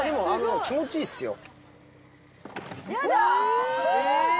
気持ちいいっすよ。